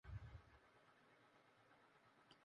電域